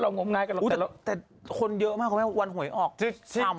อีวะแต่คนเยอะมากว่าว่างภวยออกทำมาก